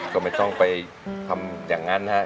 ก็ไม่ต้องไปทำอย่างนั้นนะครับ